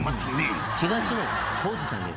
東野幸治さんです。